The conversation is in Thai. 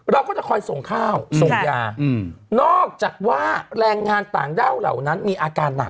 เราก็จะคอยส่งข้าวส่งยานอกจากว่าแรงงานต่างด้าวเหล่านั้นมีอาการหนัก